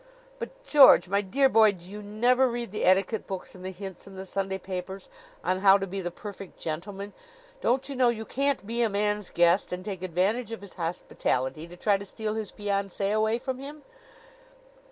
"But, George, my dear boy, do you never read the etiquette books and the hints in the Sunday papers on how to be the perfect gentleman? Don't you know you can't be a man's guest and take advantage of his hospitality to try to steal his fiancee away from him?"